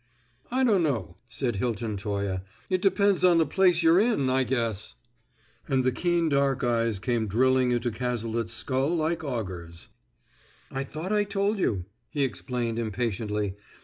"I don't know," said Hilton Toye. "It depends on the place you're in, I guess!" And the keen dark eyes came drilling into Cazalet's skull like augers. "I thought I told you?" he explained impatiently.